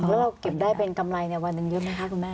แล้วเราเก็บได้เป็นกำไรวันหนึ่งเยอะไหมคะคุณแม่